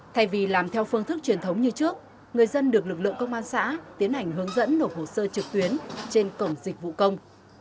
thay vì làm theo phương thức truyền thống như trước người dân được lực lượng công an xã tiến hành hướng dẫn nổ hồ sơ trực tuyến trên cổng dịch vụ công